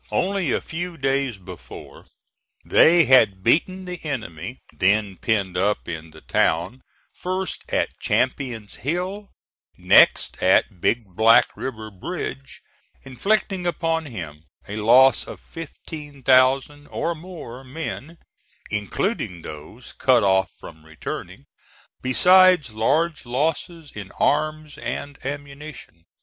Only a few days before, they had beaten the enemy then penned up in the town first at Champion's Hill, next at Big Black River Bridge, inflicting upon him a loss of fifteen thousand or more men (including those cut off from returning) besides large losses in arms and ammunition.